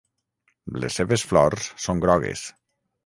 Les seves flors són grogues.